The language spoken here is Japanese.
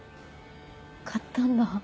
買ったんだ。